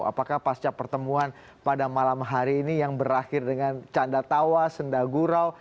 apakah pasca pertemuan pada malam hari ini yang berakhir dengan canda tawa sendagurau